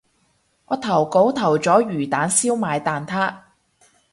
我投稿投咗魚蛋燒賣蛋撻